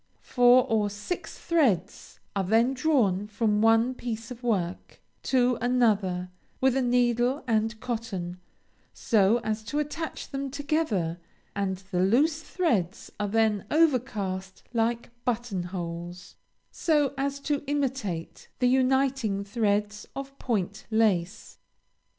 Four or six threads are then drawn from one piece of work to another, with a needle and cotton, so as to attach them together, and the loose threads are then overcast like button holes, so as to imitate the uniting threads of point lace.